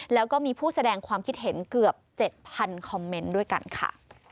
แล้วก็มีผู้แสดงความคิดเห็นเกือบ๗๐๐คอมเมนต์ด้วยกันค่ะ